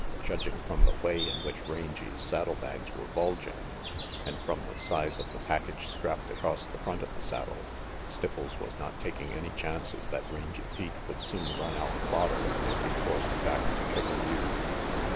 Judging from the way in which Rangy's saddle bags were bulging* and from the size of the package strapped across the front of the saddle, Stipples was not taking any chances that Rangy Pete would soon run out of fodder and be forced back to Triple Butte.